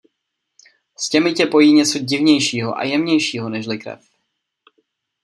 S těmi tě pojí něco divnějšího a jemnějšího nežli krev.